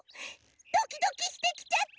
ドキドキしてきちゃった！